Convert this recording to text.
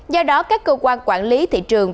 do đó các cơ quan quản lý thị trường